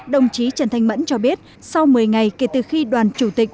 đồng chí trần thanh mẫn cho biết sau một mươi ngày kể từ khi đoàn chủ tịch